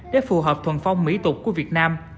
để phù hợp thuần phong mỹ tục của việt nam